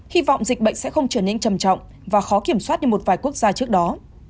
hy vọng dịch bệnh sẽ không trở nên trầm trọng và khó kiểm soát như một vài quốc gia trước đó